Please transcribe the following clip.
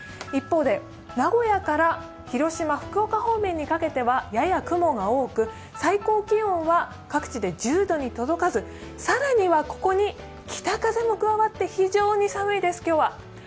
一方で、名古屋から広島福岡方面にかけてはやや雲が多く、最高気温は各地で１０度に届かず、更にはここに北風も加わって非常に寒いです、今日は。